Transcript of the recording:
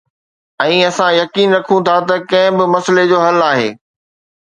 ۽ اسان يقين رکون ٿا ته ڪنهن به مسئلي جو حل آهي